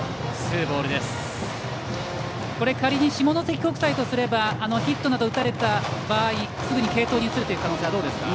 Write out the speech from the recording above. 仮に下関国際とすればヒットなどを打たれた場合すぐに継投に移る可能性はどうですか？